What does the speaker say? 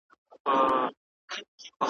پر نړۍ چي هر لوی نوم دی هغه ما دی زېږولی `